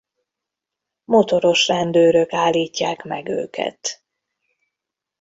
Motoros rendőrök állítják meg őket.